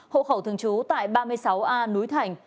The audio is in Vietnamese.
hộ khẩu thường trú tại ba mươi sáu a núi thành